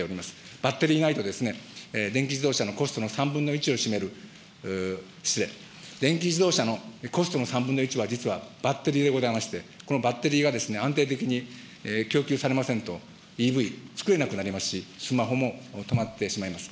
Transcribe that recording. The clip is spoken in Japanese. バッテリーないと、電気自動車のコストの３分の１を占める、失礼、電気自動車のコストの３分の１は、実はバッテリーでございまして、このバッテリーが安定的に供給されませんと、ＥＶつくれなくなりますし、スマホも止まってしまいます。